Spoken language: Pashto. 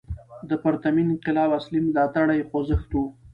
د پرتمین انقلاب اصلي ملاتړی خوځښت و.